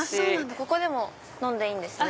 ここでも飲んでいいんですね。